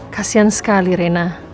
kasian sekali rena